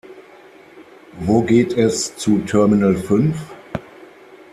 Wo geht es zu Terminal fünf?